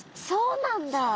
そうなんだ。